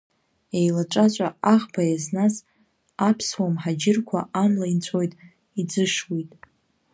Еилаҵәаҵәа аӷба иазназ аԥсуа мҳаџьырқәа амла инҵәоит, иӡышуеит.